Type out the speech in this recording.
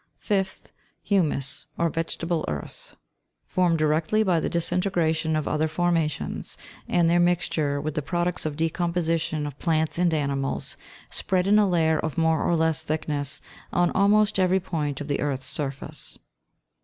5th. Humus, or vegetable earth, formed directly by the disintegration of other formations, and their mixture with the products of decomposition of plants and animals, spread in a layer of more or less thickness, on almost every point of the surface of the earth. 9.